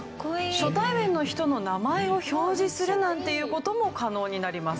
初対面の人の名前を表示するなんていう事も可能になります。